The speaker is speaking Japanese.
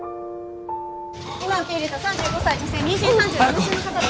今受け入れた３５歳女性妊娠３７週の方です。